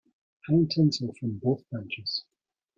Hang tinsel from both branches.